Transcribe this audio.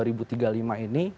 itu bisa menjadi berapa